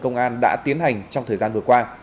công an đã tiến hành trong thời gian vừa qua